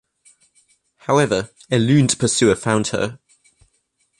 However, Eluned's pursuer found her.